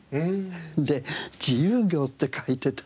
で「自由業」って書いてたの。